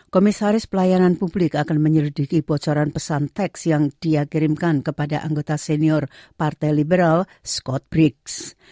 komisaris pelayanan publik akan menyelidiki bocoran pesan teks yang dia kirimkan kepada anggota senior partai liberal scott bridge